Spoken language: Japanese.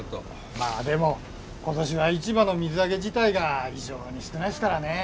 まあでも今年は市場の水揚げ自体が異常に少ないすからね。